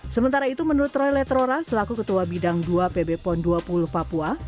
sementara itu menurut roy letrora selaku ketua bidang dua pb pon dua puluh papua